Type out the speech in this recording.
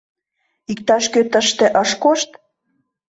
Иктаж-кӧ тыште ыш кошт?